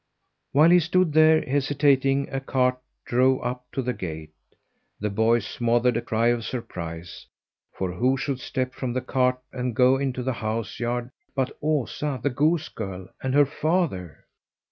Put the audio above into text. While he stood there, hesitating, a cart drove up to the gate. The boy smothered a cry of surprise, for who should step from the cart and go into the house yard but Osa, the goose girl, and her father!